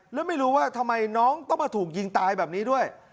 แล้วไม่รู้ว่าทำไมน้องต้องมาถูกยิงตายแบบนี้ด้วย